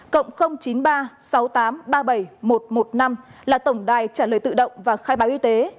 cộng chín mươi ba sáu nghìn tám trăm ba mươi bảy một trăm một mươi năm là tổng đài trả lời tự động và khai báo y tế